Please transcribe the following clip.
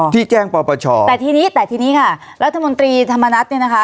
ที่แจ้งปปชแต่ทีนี้แต่ทีนี้ค่ะรัฐมนตรีธรรมนัฐเนี่ยนะคะ